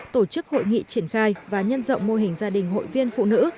tổ chức hội nghị triển khai và nhân rộng mô hình gia đình hội viên phụ nữ